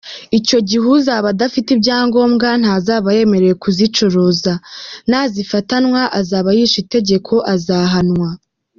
Icyo gihe uzaba adafite ibyangombwa ntazaba yemerewe kuzicuruza, nazifatanwa azaba yishe itegeko azahanwa”.